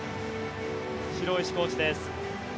城石コーチです。